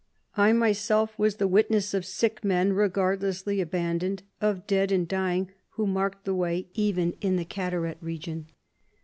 I myself was the witness of sick men regardlessly abandoned, of dead and dying, who marked the way even in the Cataract region."